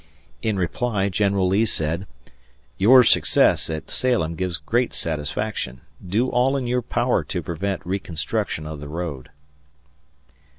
In reply General Lee said, "Your success at Salem gives great satisfaction. Do all in your power to prevent reconstruction of the road."